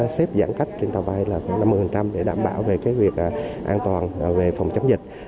xếp giãn cách trên tàu bay là khoảng năm mươi để đảm bảo về việc an toàn về phòng chống dịch